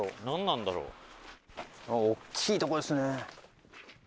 なんなんだろう？